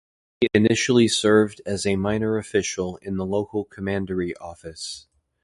He initially served as a minor official in the local commandery office.